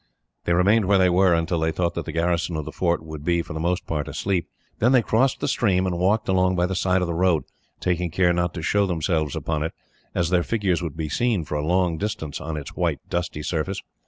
They remained where they were, until they thought that the garrison of the fort would be, for the most part, asleep. Then they crossed the stream, and walked along by the side of the road, taking care not to show themselves upon it, as their figures would be seen for a long distance, on its white, dusty surface.